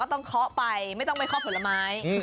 ต้องเคาะไปไม่ต้องไปเคาะผลไม้